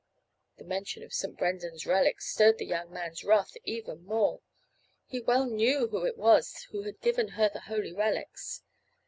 The mention of St. Brendan's relics stirred the young man's wrath even more. He well knew who it was who had given her the holy relics.